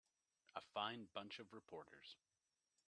A fine bunch of reporters.